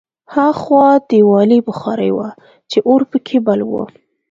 هاخوا دېوالي بخارۍ وه چې اور پکې بل و